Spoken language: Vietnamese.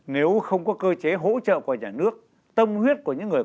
nếu không có cơ chế hỗ trợ của nhà nước tâm huyết của những người